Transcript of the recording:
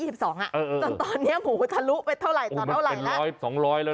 จนตอนนี้หมูทะลุไปเท่าไหร่ต่อเท่าไหร่แล้ว